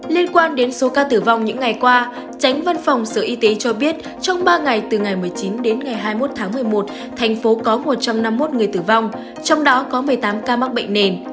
liên quan đến số ca tử vong những ngày qua tránh văn phòng sở y tế cho biết trong ba ngày từ ngày một mươi chín đến ngày hai mươi một tháng một mươi một thành phố có một trăm năm mươi một người tử vong trong đó có một mươi tám ca mắc bệnh nền